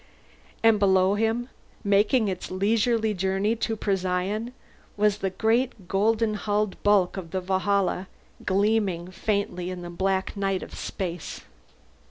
And, below him, making its leisurely journey to Procyon, was the great golden hulled bulk of the Valhalla, gleaming faintly in the black night of space.